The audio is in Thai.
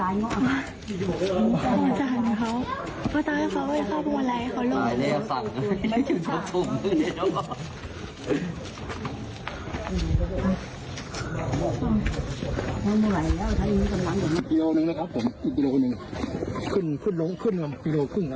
นี่